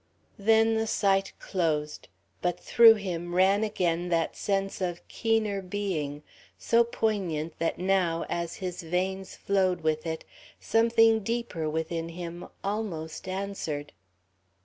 Then the sight closed, but through him ran again that sense of keener being, so poignant that now, as his veins flowed with it, something deeper within him almost answered.